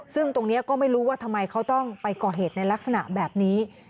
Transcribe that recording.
ซึ่งตรงนี้ก็ไม่รู้ว่าทำไมเขาต้องไปก่อเหตุในลักษณะแบบนี้